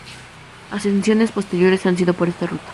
Ascensiones posteriores han sido por esta ruta.